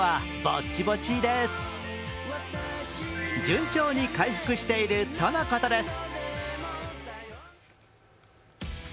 順調に回復しているとのことです。